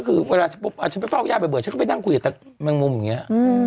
คือเวลาฝ้าย่าไปเบื่อไปนั่งคุยกับแม่งมุมเหมือนเนี่ย